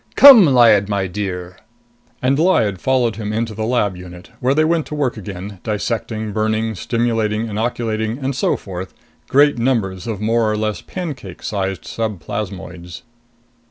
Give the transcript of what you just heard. Come, Lyad, my dear." And Lyad followed him into the lab unit, where they went to work again, dissecting, burning, stimulating, inoculating and so forth great numbers of more or less pancake sized subplasmoids.